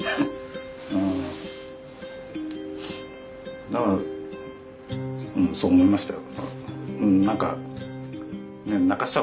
うんだからうんそう思いましたよ。